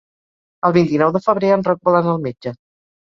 El vint-i-nou de febrer en Roc vol anar al metge.